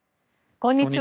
こんにちは。